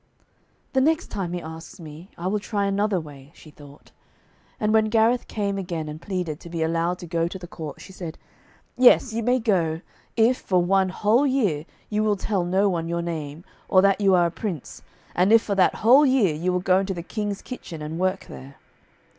'The next time he asks me, I will try another way,' she thought. And when Gareth came again and pleaded to be allowed to go to the court, she said, 'Yes, you may go, if for one whole year you will tell no one your name, or that you are a prince, and if for that whole year you will go into the King's kitchen and work there.'